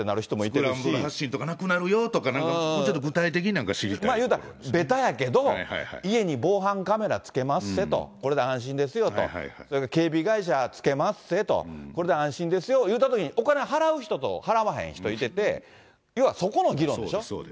スクランブル発進とかなくなるよとか、なんとかもうちょっとべたやけど、家に防犯カメラ付けまっせと、これで安心ですよと、警備会社つけまっせって、これで安心ですよと言うたときに、お金払う人と払わへん人いてて、要はそこの議論でしょ？